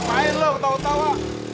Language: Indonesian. apa yang lu ketawa ketawa